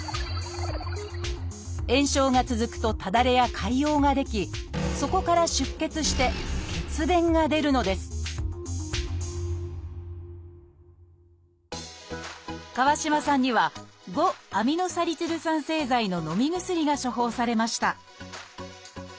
炎症が続くとただれや潰瘍が出来そこから出血して血便が出るのです川島さんには「５−アミノサリチル酸製剤」ののみ薬が処方されました。